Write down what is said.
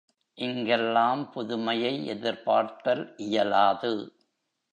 இங்கெல்லாம் புதுமையை எதிர்பார்த்தல் இயலாது.